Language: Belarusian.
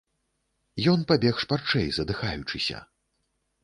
Ён пабег шпарчэй, задыхаючыся.